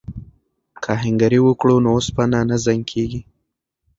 که آهنګري وکړو نو اوسپنه نه زنګ کیږي.